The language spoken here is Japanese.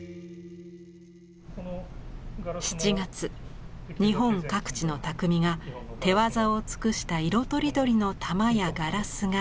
７月日本各地の匠が手わざを尽くした色とりどりの玉やガラスが勢ぞろい。